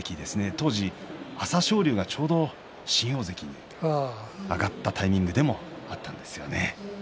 当時、朝青龍がちょうど新大関に上がったタイミングでもあったんですよね。